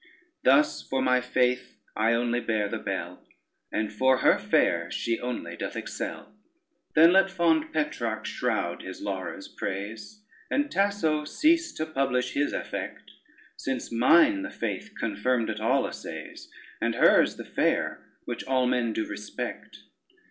Thus, for my faith I only bear the bell, And for her fair she only doth excel. Then let fond Petrarch shroud his Laura's praise, And Tasso cease to publish his affect, Since mine the faith confirmed at all assays, And hers the fair, which all men do respect.